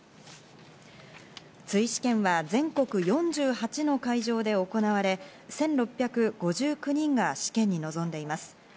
追試験は全国４８の会場で行われ、１６５９人が試験に臨んでいます。